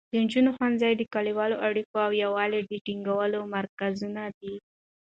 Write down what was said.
د نجونو ښوونځي د کلیوالو اړیکو او یووالي د ټینګولو مرکزونه دي.